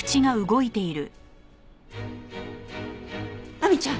亜美ちゃん！